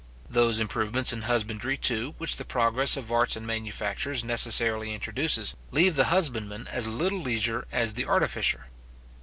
Those improvements in husbandry, too, which the progress of arts and manufactures necessarily introduces, leave the husbandman as little leisure as the artificer.